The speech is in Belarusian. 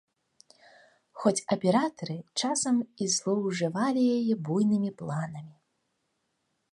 Хоць аператары часам і злоўжывалі яе буйнымі планамі.